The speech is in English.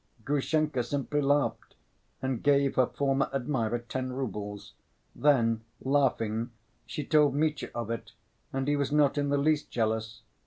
Grushenka simply laughed, and gave her former admirer ten roubles. Then, laughing, she told Mitya of it and he was not in the least jealous.